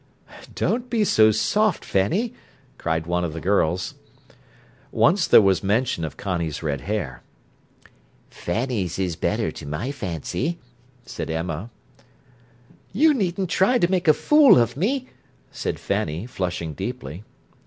"Don't be so soft, Fanny!" cried one of the girls. Once there was mention of Connie's red hair. "Fanny's is better, to my fancy," said Emma. "You needn't try to make a fool of me," said Fanny, flushing deeply.